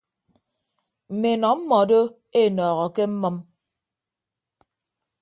Mme enọ mmọdo enọọho ke mmʌm.